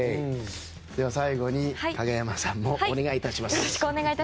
最後に影山さんもお願いいたします。